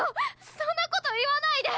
そんなこと言わないで！